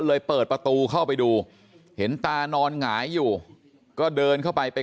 เปิดประตูเข้าไปดูเห็นตานอนหงายอยู่ก็เดินเข้าไปไป